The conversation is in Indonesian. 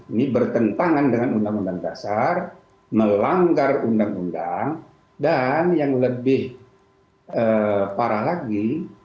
ini bertentangan dengan undang undang dasar melanggar undang undang dan yang lebih parah lagi